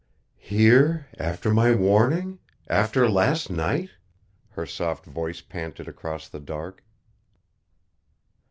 "Here, after my warning, after last night?" her soft voice panted across the dark.